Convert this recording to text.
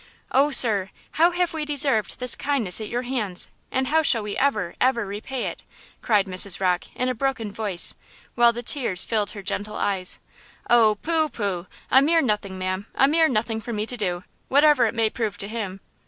Oh, sir, how have we deserved this kindness at your hands, and how shall we ever, ever repay it?" cried Mrs. Rocke, in a broken voice, while the tears filled her gentle eyes. "Oh, pooh, pooh! a mere nothing, ma'am! a mere nothing for me to do, whatever it may prove to him.